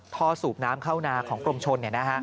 สูบน้ำเข้านาของกรมชน